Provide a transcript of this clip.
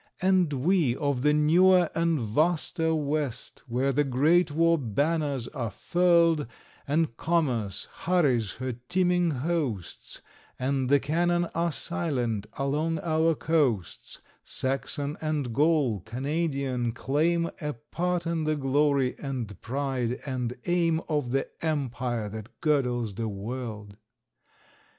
And we of the newer and vaster West, Where the great war banners are furled, And commerce hurries her teeming hosts, And the cannon are silent along our coasts, Saxon and Gaul, Canadians claim A part in the glory and pride and aim Of the Empire that girdles the world.